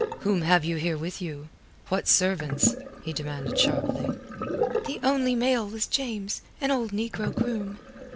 "Whom have you here with you? What servants?" he demanded sharply. The only male was James, an old negro groom.